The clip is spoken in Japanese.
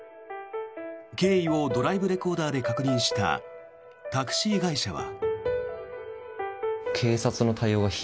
経緯をドライブレコーダーで確認したタクシー会社は。